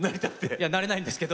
いやなれないんですけど。